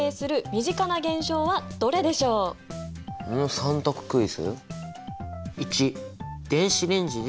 ３択クイズ？